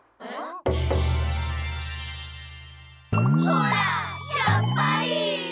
ほらやっぱり！